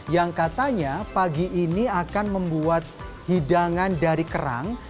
yang katanya pagi ini akan membuat hidangan dari kerang